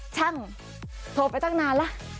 โทรไปตั้งนานแล้ว